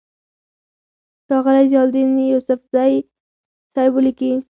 ښاغلے ضياءالدين يوسفزۍ صېب ليکي: